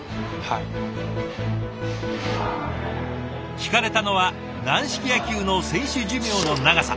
ひかれたのは軟式野球の選手寿命の長さ。